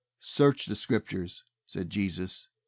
"Search the Scriptures," said Jesus.